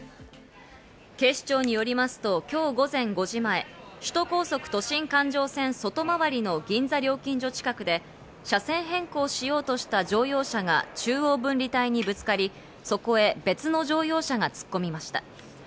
警視庁によりますと今日午前５時前、首都高速・都心環状線外回りの銀座料金所近くで、車線変更しようとした乗用車が中央分離帯にぶつかり、そこへ別の乗用車が突っ込みました。